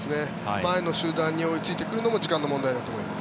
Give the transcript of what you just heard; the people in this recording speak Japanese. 前の集団に追いついてくるのも時間の問題だと思います。